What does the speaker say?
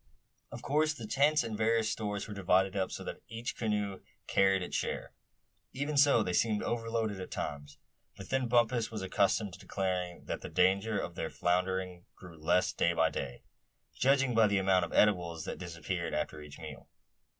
Of course the tents and various stores were divided up so that each canoe carried its share. Even so they seemed overloaded at times; but then Bumpus was accustomed to declaring that the danger of their foundering grew less day by day, judging by the amount of eatables that disappeared after each meal.